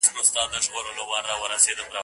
حافظ ابن کثير رحمه الله ليکلي دي.